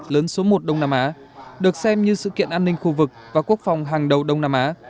lớn số một đông nam á được xem như sự kiện an ninh khu vực và quốc phòng hàng đầu đông nam á